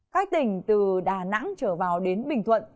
các tỉnh từ đà nẵng trở vào đến bình thuận